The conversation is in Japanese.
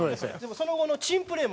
その後の珍プレーも。